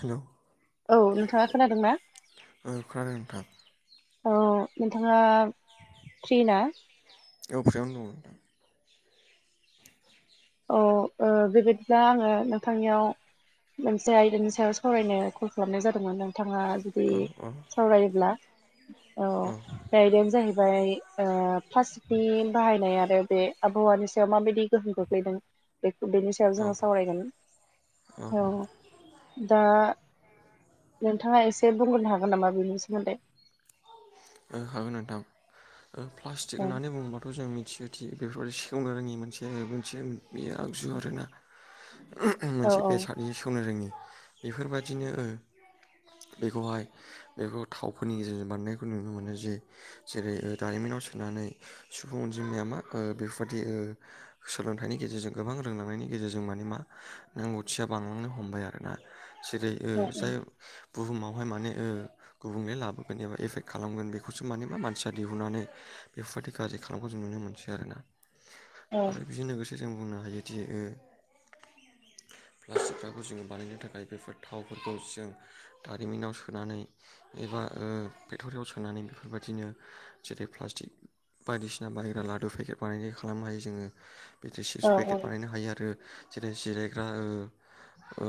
Hello औ नोंथाङा खोनादों ना ओ खोनादों नोंथां औ नोंथाङा फ्रि ना औ प्रिआवनो दङ नोंथां। औ ओ बेबायदिब्ला आङो नोंथांनियाव मोनसे आयदानि सायाव सावरायनो कल खालामनाय जादोंमोन। नों थाङा जुदि औ औ सावरायोब्ला औ। आयदायानो जाहैबाय फार्स्ट नि बाहायनाय आरो बे आबहावानि सायाव माबायदि गोहोम खो ख्लैदों बेनि सायाव औ जोङो सावरायगोन। औ दा नोंथाङा एसे बुंग्रोनो हागोन नामा बेनि सोमोन्दै हागोन नोंथां प्लास्टिक औ होननानै बुङोबाथ' जों मिथियो दि बेफोरबदि सिखावनो रोङि मोनसे मोनसे बे आगजु आरोना औ मोनसे बेसादनि सेवनो रोङि बेफोरबायदिनो ओ बेखौहाय बेखौ थावफोरनि गेजेरजों बानायनायखौ नुनो मोन नो जे जेरै दारिमिनाव सोनानै सुबुं अनजिमाया ओ मा बेफोरबादि सोलोंथाइनि गेजेरजों गोबां रोंलांनायनि गेजेरजों माने मा रोंगथिया बांलांनो हमबाय आरो ना जेरै ओ औ जाय बुहुमावहाय माने ओ गुबुंले लाबोगोन एबा एफेक्ट खालामगोन बे खौसो मान मा मानसिया दिहुननानै बेफोरबायाददि गाज्रि खालामखौ जों नुनो मोनसै आरो ना। औ आरो बेजों लोगोसे जों बुंनो हायोदि ओ प्लास्टिकफोरखौ जों बानायनो थाखाय बेफोर थावफोरखौ जों दारिमिनाव सोनानै एबा ओ पेक्टरियाव सोनानै बेफोरबायदिनो जेरै प्लास्टिक बायदिसिना बाहग्रा लादु पेकेट बानायनाय खालामनो हायो जोङो बिदि औ सिस पेकेट बानायनो हायो आरो जेरै जिरायग्रा ओ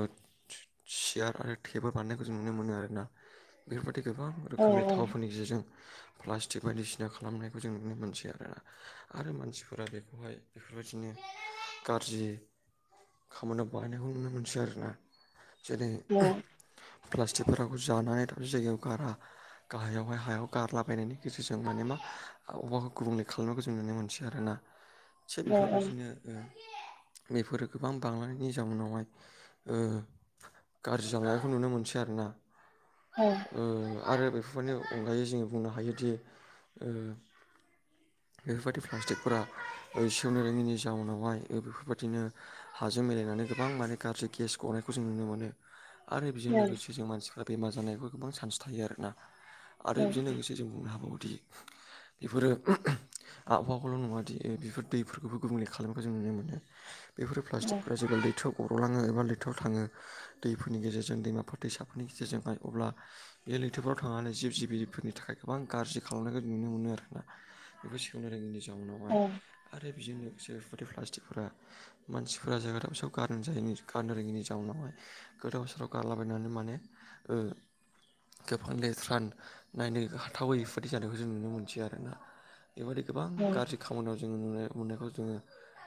सियार आरो टेबोल बानायनायखौ जों नुनो मोनो आरोना बेफोरबदि गोबां औ रोखोमनि थावफोरनि गेजेरजों प्लास्टिक बायदिसिना खालामनायखौ जों नुनो मोनथियो आरोोना आरो मानसिफोरा बेखौहाय बेफोरबायदिनो गाज्रि खामानियाव बाहायनायखौ नुनो मोनसै आरोना जेरै प्लास्टिक फोर जानानै दाबसे जायगायाव गारा गाहायावहाय हायाव गारलाबायनायनि गेजेरजों माने मा अबावबाखौ गुबुंले खालामनायखौ जों नुनो मोनसै आरो ना थिग औ बेफोरबायदिनो ओ बेफोरो गोबां बांनायनि जाउनावहाय ओ गाज्रि जालनायखौ नुनो मोनसै आरो ना औ ओ आरो बेफोरफोरनि अनगायै जोोंङो बुंनो हायोदि ओ बेफोरबायदि प्लास्टिकफोरा सेवनो रोङिनि जाउनावहाय बेफोरबायदिनो हाजों मिलायनानै गोबां माने गाज्रि गेस गनायखौ जों नुनो मोनो आरो बेजों औ लोगोसे जों मानसिफ्रा बेमार जानायबो गोबां चान्स थायो आरोना औ नंगौ औ आरो बेजों लोगोसे से जों बुंनो हाबावोदि बेफोरो आबहावाखौल' नङाादि बेफोर दैफोरखौबो गुबुंले खालामनायखौ जों नुनो मोनो बेफोर प्लास्टिकफ्रा जेब्ला दैथ' ग'लाङो एबा लैथोआव थाङो दैफोरनि गेजेरजों दैमाफोर दैसाफोरनि गेजेरजोंह अब्ला बे लैथोफ्राव थांनानै जिब जिबिफोरनि थाखाय गोबां गाज्रि खालामनायखौ नुनो मोनो आर ना बेखौ सोननो रो जावनावाय आरो बेजों लोगोसे पटिक मानसिफोरा जायाग दाबसेयाव गारन जाय गारन रोङैनि जाउनावहाय गोथाव सोराव गारलाबायनानै माने गोबां लेथ रान नायनो ह थावैफोरदि जानायखौ जों नुनो मोनथियो आरोना बेबायदि गोबां गाज्रि खामानियाव जोङो नु मोननायखौ जोङो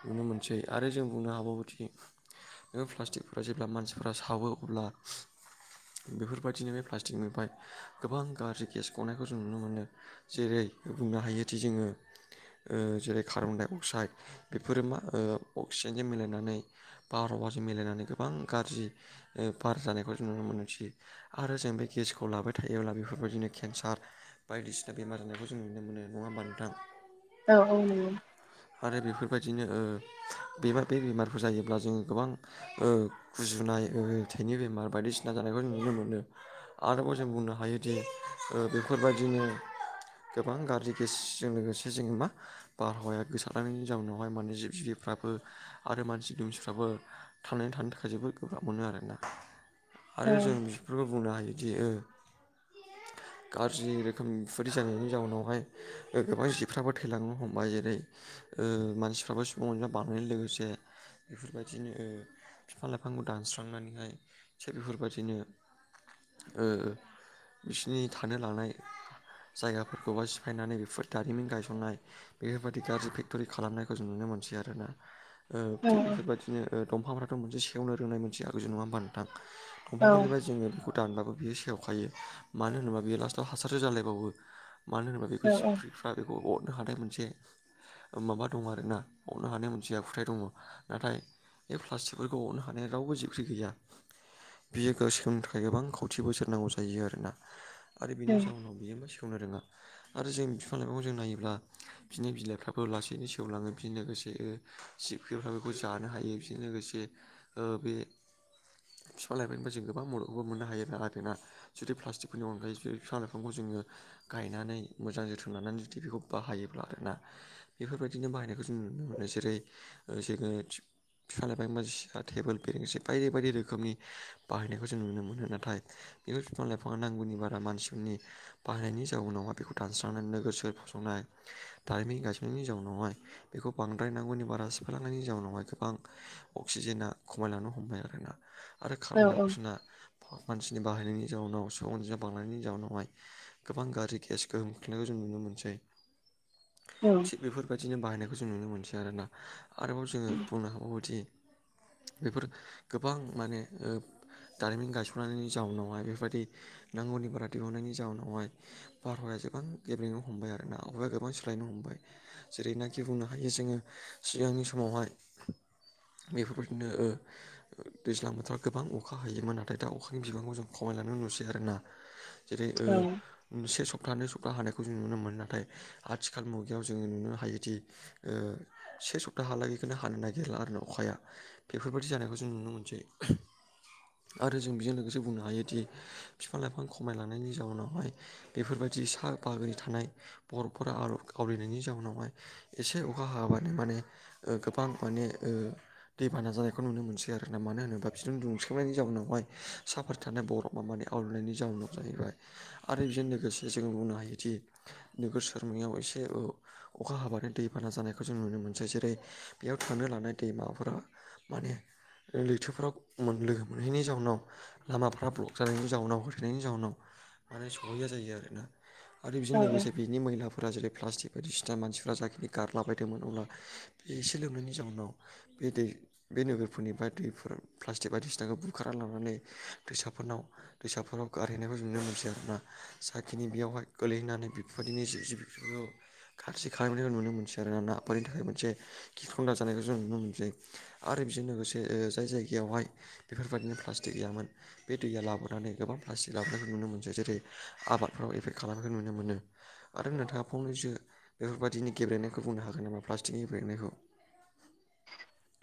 नुनो मोनसै आरो जों बुंनो हाबावाबोदि प्लास्टिकफोरा जेब्ला मानसिफोरा सावो अब्ला बेफोरबायदिनो बे प्लास्टिकनिाय गोबां गाज्रि गेस गनायखौ ज नुनो मोनो जेरै बुंनो हायोदि जोङो जेरै कार्बन डाइ अक्साइड बेफोरो मा अक्सिजेनजों मिलायनानै बारहावाजों मिलायनानै गोबां गाज्रि ओ बार जानायखौ जों नुनो मोनथियो आरो जों बे गेसखौ लाबाय थायोब्ला बेफोरबायदिनो केन्सार बायदिसिना बेमार जानायखौ जों नुनो मोनो नङा होमबा नोंथां औ औ आरो बेफोरबायदिनो बे बे बेमारफोर जायोब्ला जोङो गोबांओ गुजुनाय ओ थाइनि बेमार बायदिसिना जानायखौ जों नुनो मोनो आरोबाव जों बुंनो हायोदि बेफोरबायदिनो गोबां गाज्रि गेसजों लोगोसे जोङो मा बारहावाया गोसारनायनि जाउनावहाय माने जिब जिबिफ्राबो आरो मानसि दमसिफ्राबो थांनानै थानो थाखाय जोबोर गोब्राब मोनो आरोना आरो जों बिफोरखौ बुंनो हायोदिओ गाज्रि रोखोमफोरि जानायनि जाउनावहाय गोबां जिफ्राबो थैलांनो हमबाय जेरै ओ मानसिफ्राबो सुबुं अनजा बानायनाय लोगोसे बेफोरबायदिनो ओ बिफां लाइफांखौ दानस्रांनानैहाय थि बेफोरबायदिनो ओ बिसिनि थानो लानाय जायगाफोरखौबा सिफायनानै बेफोर दारिमिन गायसंनाय बेफोरबायदि गाज्रि फेक्ट'रि खालामनायखौ जों नुनो मोनसै आरोना थिग बेफोरबायदिनो दंफांफ्राथ' मोनसे सेवनो रोंनाय मोनसे आगजु नङा बान्थां दंफांफोरनिफ्राय जोङो बेखौ दानबाबो बियो सेवखायो मानो होनोब्ला बे लास्टआव हासारसो जालायबावो मानो होनोबा बेखौ जिब्रिफ्रा बेखौ अरनो हानाय मोनसे माबा दं आरोना मावनो हानाय मोनसे आखुथाय दङ नाथाय बे प्लास्टिकफोरखौ हनो हानाया रावबो जेख्रि गैया बियो सोलोंनो थाखाय गोबां खौथि बोसोरनांगौ जायो आरोना आरो बिनि जाउनाव बियोबा संनो रोङा आरो जों बिफां लाइफांखौ जों नायोब्ला बिनि बिलाइफ्राबो लासैनो सेवलाङो बिनि लोगोसे सिबखफ बेखौ जानो हायो बेजों लोगोसे ओ बे बिफां लाइबायब्ला जों गोबां मदखौबो मोननो हायो आरोना जुदि प्लास्टिकफोरनि अनगायै बे बिफां लाइफांखौ जोङो गायनानै मोजां जोथोन लानानै जुदि बेखौ बाहायोब्ला आरोना बेफोरबायदिनो बाहायनायखौ जों नुनो मोनो जेरै जोङो बिफां लाइबायां बाजि सिया टेबोल बेरेंगसि बायदि बायदि रोखोमनि बाहायनायखौ जों नुनो मोनो नाथाय बेफोर बिफां लाइफाङा नांगौनि बारा मानसिफोरनि बाहायनायनि जाउनावहाय बेखौ दानस्रांनाय नोगोर सोहोर फसंनाय दारिमिन गायसननायनि जाउनावहाय बेखौ बांद्राय नांगौनि बारा सिफायलांनायनि जाउनावहाय गोबां अक्सिजेना खमायलांनो हमबाय आरोना आरो कारबन दाइ अक्साइडा मानसिनि बाहायनायनि जाउनाव सुबुं अनजिमा बांनायनि जाउनावहाय गोबां गाज्रि गेसखौ हमखिन्नायखौ जों नुनो मोनसै थिग बेफोरबायदिनो बाहायनायखौ जों नुनो मोनसै आरोना आरोबाव जोङो बुंनो हाबावोदि बेफोर गोबां माने दारिमिन गायसननायनि जाउनावहाय बेफोरबायदि नांगौनि बारा दिहुननायनि जाउनावहाय भारहाया गोबां गेब्लेनो हमबाय आरो ना अबाया गोबां सोलायनो हमबाय जेरैनाखि बुंनो हायो जोङो सिगांनि समावहाय बेफोरबायदिनो दैज्लां बोथोराव गोबां अखा हैयोमोन नाथाय दा अखानि बिबांखौ जों खमायलां नुसै आरोोना जेरै से सप्तानैै सप्ताहा हानायखौ जों नुनो मोनो नाथाय आथिखाल मुगायाव जोङो नुनो हायोदि से सप्ताहालागैखौनो हानो नागिरला आरो ना अखाया बेफोरबायाददि जानायखौ जों नुनो मोनसै आरो जों बेजों लोगोसे बुंनो हायोदि बिफां लाइफां खमायलांनायनि जाउनावहाय बेफोरबायदि साहा बागै थानाय बर'फोरा आावलनायनि जाउनावहाय एसे अखा हाबानो माने गोबां माने दैबाना जानायखौ नुनो मोनसै आरोना मानो होनोबा बिदुं दुंसबनायनि जाउनावहाय साफारि थानाय बरफ मा मानिे खावलायनायनि जाउोनाव जाहैबाय आरो बेजों लोगोसे जों बुंनो हायोदि नोगोर समायाव एसे औ अखा हाबानो दैबाना जानायखौ जों नुनो मोनसै जेरै बेयाव थानो लानाय दैमाबाफोरा माने लैथोफोराव लोगो मोनहैनि जाउनाव लामाफ्रा ब्लक जानायनि जाउनाव होथेनायनि जाउनाव माने सहैया जायो आरोना आरो बेजों लोगोसे बिनि मैलाफोरा जेरै प्लास्टिक बायदिसिना मानसिफोरा जाखिनि गारलाबायदोंमोन अब्ला बे एसे लोंनायनि जाउनाव बे दै बे नोगोरफोरनि बाय दैफोर प्लास्टिक बायदिसिनाखौ बुखारना लानानै दैसाफोरनाव दैसाफोराव गारहैनायखौ नुनो मोनथियो आर ना जाखिनि बेयावहाय गोलैहैनानै बेफोरबायदिनो जि जिफोरखौ गाज्रि खालामनायखौ नुनो मोनसै आरोना ना बेफोरनि थाखाय मोनसे गिखंना जानायखौ जों नुनो मोनसायो आरो बेजों लोगोसे जाय जायगायावहाय बेफोरबायदिनो प्लास्टिक गैयामोन बे दैया लाबोनानै गोबां प्लास्टिक लाबोनायखौ नुनो मोनसो जेरै आबादफोराव एफेक्ट खालामनायखौ नुनो मोनो आरो नोंथाङा फंनैसो बेफोरबायदिनि गब्लेनायखौ बुंनो हागोन नामा प्लास्टिकनि गेलेनायखौ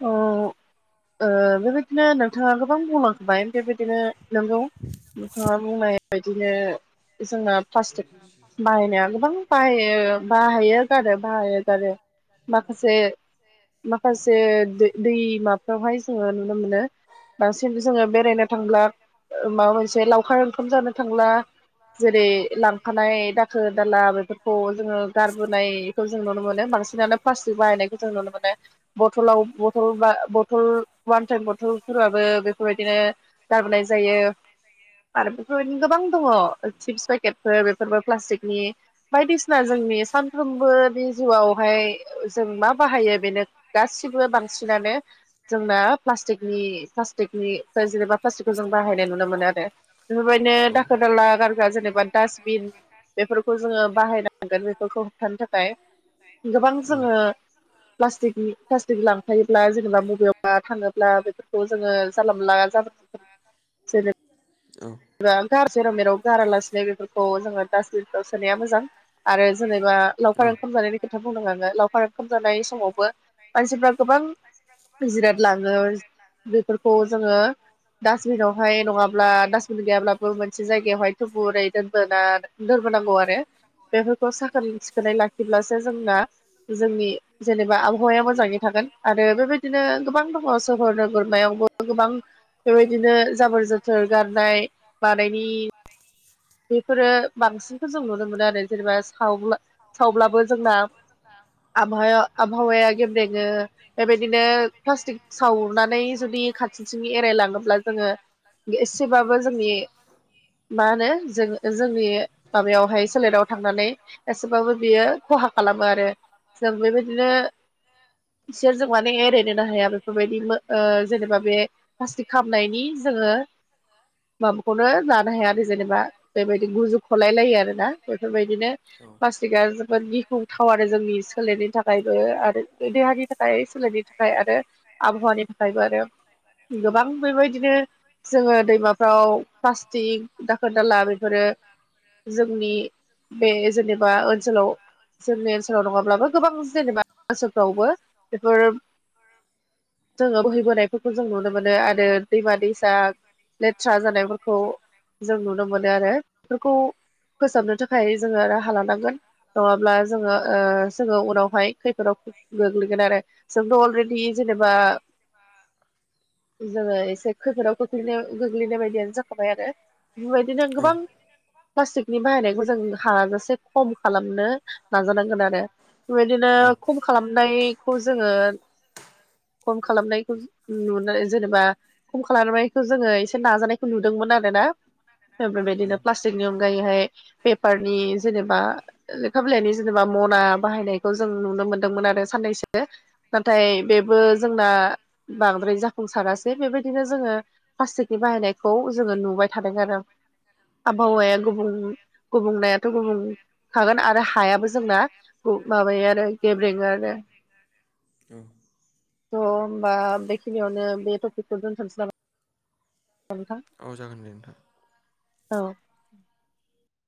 अ बेबायदिनो नोंथाङा गोबां बुंलांखोबाय बेबायदिनो नंगौ नोंथाङा बुंनाय बादिनो जोंना प्लास्टिक बाहायनाया गोबां बाह बाहायो जादों बाहायो जादों माखासे माखासे दैमाफ्रावहाय जोङो नुनो मोनो बांसिन जोङो बेरायनो थांला माबा मोनसे लावखार ओंखाम जानो थांला जेरै लांफानाय दाखोर दाला बेफोरखौ जोङो गारबोनाय जों नुनो मोनो बांसिनानो प्लास्टिक बाहायनायखौ जों नुनो मोनो बथलाव बथल बा बथल वान टाइम बथलफोराबो बेफोरबायदिनो गारबोनाय जायो आरो बेफोरबायदिनो गोबां दङ चिप्स पेकेट बेफोरबो प्लास्टिकनि बायदिसिना जोंनि सानफ्रोमबो बे जिउआवहाय जों मा बाहायो बेनो गासिबो बांसिनानो जोंना प्लाटिकनि्लास्टिकनि जेनेबा प्लास्टिकखौ जों बाहायनाय नुनो मोनो आरो बेफोरबायदिनो औ दाखो दाला गारगा जेनेबा डासटबिन बेफोरखौ जोङो बाहायन हांगोन बेफोरखौ होबथानो थाखाय गोबां जोङो प्लास्टिकनि क्लास्टिक लांफायोब्ला जेनेबा मबेयाव थाङोब्ला बेफोरखौ जोङो जानांला जोब औ गखार जेर मेर गारला स्नेहिखौ औ जोङो डासबिनाव सोनाया मोजां आरो जेनेबा लावखार ओंखाम ओख जानायनि खोथा बुंदों आङो लावखार ओंखाम जानाय समावबो मानसिफ्रा गोबां जिराद लाङो बेफोरखौ जोङो डास्टबिनावहाय नङाब्ला ब्ला दास्बिन गैयाब्लाबो मोनसे औ जायगायावहाय थुबुरै दोनबोना दोनबोनांगौ आरो बेफोरखौ साखोन सिखोनै लाखिब्लासो जोंना जोंनि जेनेबा आबहावाया मोजाङै थागोन आरो बेबायदिनो गोबां दङ सहोर नोगोरमायावबो गोबां बेबायदिनो जाबोर जोथोर गारनाय मानायनि बेफोरो बांसिनखौ जों नुनो मोनो आरो जेनेबा साव सावब्लाबो जोंना आबह आबहावाया गेब्रेङो बेबायदिनो प्लास्टिक सावनानै जुदि खाथि एरायलाङोब्ला जोङो एसेबाबो जोंनि मा होनो जों जोंनि माबायावहाय सोलेराव थांनानै एसेबाबो बियो खहा खालामो आरो जों बेबायदिनो बिसजों माने ओरैनो बेफोरबायदि जेनेबा बे प्लाटि खालामनायनि जोङो माबाखौनो जानो हाया आरो जेनेबा बिदि गुजुखलायलायो आरोना बेफोरबायदिनो औ औ फा थिगआ जोबोद गिखुंथाव आरो जोंनि सोलेरनो थाखाय जबो आरो देहानि थाखाय सोलायनि थाखाय आरो आबहावानि थाखाय ओमफ्रायबो आरो गोबां बेबायदिनो जोङो दैमाफ्राव प्लास्टिक दाखोर दाला बेफोरो जोंनि बे जेनेबा जोंनि ओनसोलाव नङाब्लाबो गोबां जेनेबा बोसोरफ्रावबो बेफोर जोङो बोहैबोनायफोरखौ जों नुनो मोनो आरो दैमा दैसा लेथ्रा जानायफोरखौ जों नुनो मोनो आरो बेफोरखौ फोसाबनो थाखाय जोङो राहा लानांगोन नङाब्ला जोङो जोङो उनावहाय खैफोदाव गोग्लैगोन आरो जोंथ' अलरेडि जेनेबा जोङो एसे खैफोदाव खोख्लैनाय गोग्लैनाय बायदियानो जाखाबाय आरो बेबायदि बिदिनो गोबां प्लास्टिकनि बाहायनायखौ जों हाजासे खम खालामनो नाजानांगोन आरो! बेबायदिनो खम खालामनायखौ जोङो खम खालामनायखौ नुनानै जेनेबा खम खालामनायखौ जोङो एसे नाजानायखौ नुदोंमोन आरो ना बेबायदिनो प्लास्टिकनि अनगायैहाय पेपारनि जेनेबा लेखा बिलाइनि जेनेबा मना बाहायनायखौ जों नुनो मोनदोंमोन आरो साननैसो नाथाय बेबो जोंना बांद्राय जाफुंसारासै बेबायदिनो जोङो। प्लास्टिकनि बाहायनायखौ जोङो नुबाय थादों आरो। आबहावाया गुबुं गुबुंनायाथ' गुबुंखागोन आरो हाया। जोंना माबायो आरो गेब्रेेङो आरो। औ। थ' होमबा बेखिनियावनो बे टपिकखौ दोनथ'सै नामा नोंथां! औ जागोन दे नोंथां। औ।